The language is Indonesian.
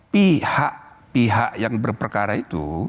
pihak pihak yang berperkara itu